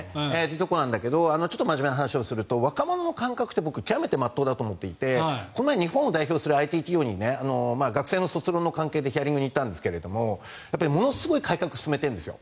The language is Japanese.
真面目な話をすると若者の感覚って極めて全うだと思っていて日本を代表するＩＴ企業に学生の卒論の関係でヒアリングに行ったんですがものすごく改革を進めてるんですよ。